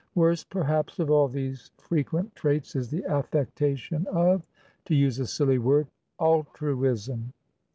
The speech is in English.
"Worst, perhaps, of all these frequent traits is the affectation ofto use a silly wordaltruism.